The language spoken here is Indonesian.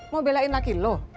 mau belain laki lo